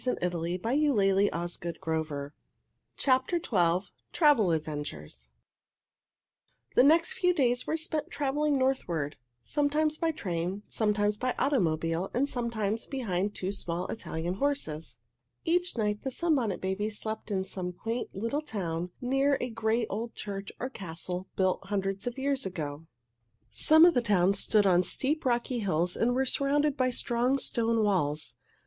[Illustration: Travel Adventures] TRAVEL ADVENTURES The next few days were spent in traveling northward, sometimes by train, sometimes by automobile, and sometimes behind two small Italian horses. Each night the Sunbonnet Babies slept in some quaint little town near a great old church or castle built hundreds of years ago. Some of the towns stood on steep, rocky hills and were surrounded by strong, stone walls.